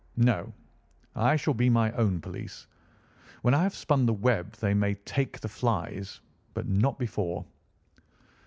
"No; I shall be my own police. When I have spun the web they may take the flies, but not before."